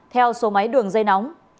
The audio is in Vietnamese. theo số máy đường dây nóng